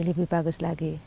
lebih bagus lagi